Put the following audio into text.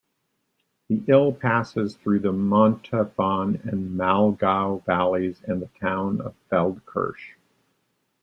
The Ill passes through the Montafon and Walgau valleys and the town Feldkirch.